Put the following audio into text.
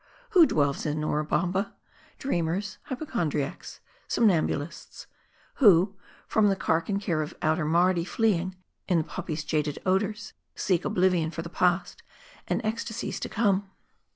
Who dwells in Nora Bamma ? Dreamers, hypochon driacs, somnambulists ; who, from the cark and care of outer Mardi fleeing, in the poppy's jaded odors, seek oblivion for the past, and ecstasies to come.